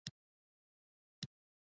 آیا بټکوین په افغانستان کې پیژندل کیږي؟